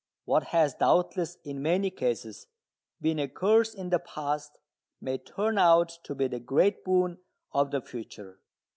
What has doubtless, in many cases, been a curse in the past may turn out to be the great boon of the future.